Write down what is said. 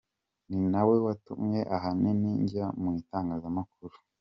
Ni nawe watumye ahanini njya mu itangazamakuru.